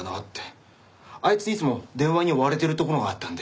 あいついつも電話に追われてるところがあったんで。